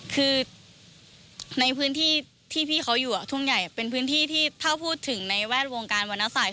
คือในพื้นที่ที่พี่เขาอยู่ทุ่งใหญ่เป็นพื้นที่ที่ถ้าพูดถึงในแวดวงการวรรณศาส